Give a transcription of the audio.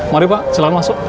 mari pak silakan masuk